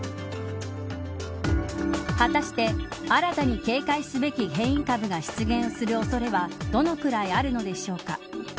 果たして、新たに警戒すべき変異株が出現する恐れはどのくらいあるのでしょうか。